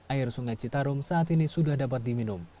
air sungai citarum saat ini sudah dapat diminum